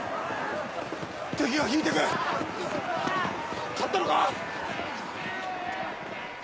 敵が引いてく勝ったのか？